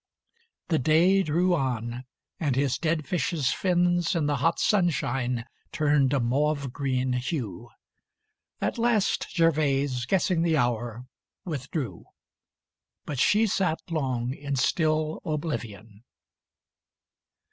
The day drew on, And his dead fish's fins In the hot sunshine turned a mauve green hue. At last Gervase, guessing the hour, withdrew. But she sat long in still oblivion.